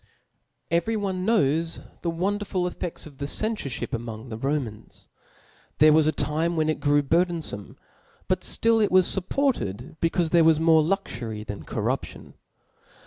Every one knowii the wonderful efiefts of the cenftrihip among the Romans. There was a time whtrt It grew burfiienfome i }>ut ftill it was fup^ ported becaufe th^r6 wtfs more luxufry than cor ^ 0) See raption.